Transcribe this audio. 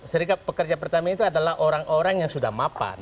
serikat pekerja pertamina itu adalah orang orang yang sudah mapan